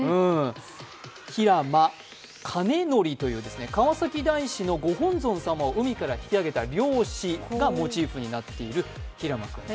平間兼乗という川崎大師のご本尊様を海から引き上げた漁師がモチーフになっているひらまくん。